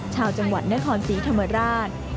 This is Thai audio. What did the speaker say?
ชาวจังหวัดนครศรีธรรมราช